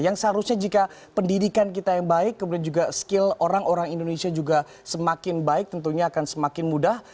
yang seharusnya jika pendidikan kita yang baik kemudian juga skill orang orang indonesia juga semakin baik tentunya akan semakin mudah